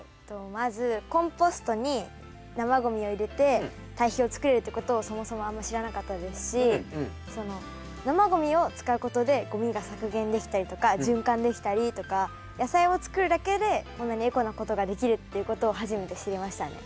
まずコンポストに生ごみを入れて堆肥をつくれるってことをそもそもあんま知らなかったですし生ごみを使うことでごみが削減できたりとか循環できたりとか野菜を作るだけでこんなにエコなことができるっていうことを初めて知りましたね。